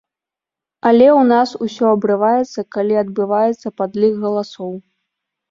Але ў нас усё абрываецца, калі адбываецца падлік галасоў.